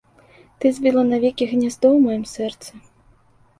Ты звіла навекі гняздо ў маім сэрцы.